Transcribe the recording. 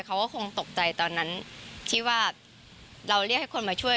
เขาก็คงตกใจตอนนั้นที่ว่าเราเรียกให้คนมาช่วย